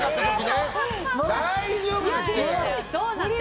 大丈夫ですって。